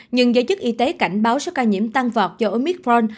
nhưng giới chức y tế cảnh báo số ca nhiễm tăng vọt do omicron